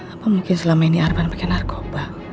apa mungkin selama ini arban pake narkoba